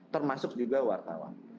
termasuk juga wartawan